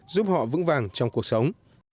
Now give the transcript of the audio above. giúp họ vững vàng trong cuộc sống